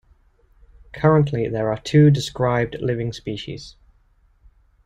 Currently there are two described living species.